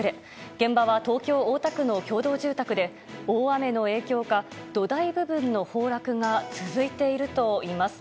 現場は東京・大田区の共同住宅で大雨の影響か、土台部分の崩落が続いているといいます。